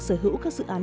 sở hữu các dự án